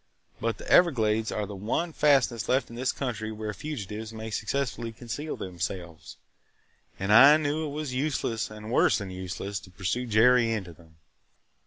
But the Everglades are the one fastness left in this country where fugitives may successfully conceal themselves, and I knew it was useless and worse than useless to pursue Jerry into them.